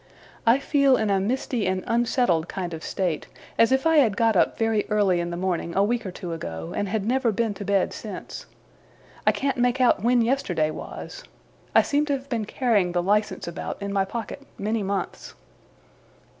I feel in a misty and unsettled kind of state; as if I had got up very early in the morning a week or two ago, and had never been to bed since. I can't make out when yesterday was. I seem to have been carrying the licence about, in my pocket, many months.